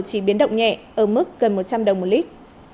chỉ biến động nhẹ ở mức gần một trăm linh đồng một lít